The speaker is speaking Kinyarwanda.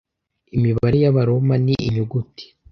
Imibare y'Abaroma ni inyuguti